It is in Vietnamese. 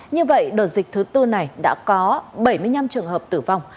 như vậy đợt dịch thứ tư này đã có bảy mươi năm trường hợp tử vong